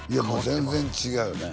全然違うよね